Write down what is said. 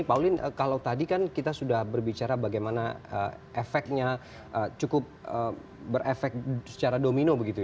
pauline kalau tadi kan kita sudah berbicara bagaimana efeknya cukup berefek secara domino begitu ya